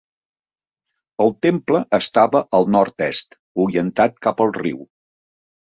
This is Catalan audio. El Temple estava al nord-est, orientat cap al riu.